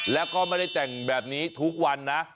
แล้วก็ไม่ได้แต่งแบบนี้ทุกวันนะ